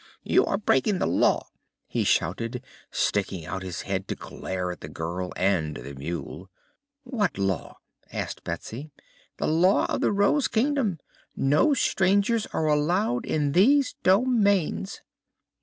"You are breaking the Law!" he shouted, sticking out his head to glare at the girl and the mule. "What Law?" asked Betsy. "The Law of the Rose Kingdom. No strangers are allowed in these domains."